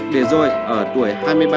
để rồi ở tuổi hai mươi ba